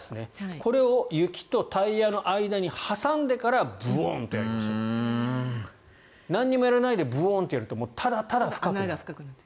これを雪とタイヤの間に挟んでからブオーンとやりましょう何もやらないでブオーンとやるとただただ深くなる。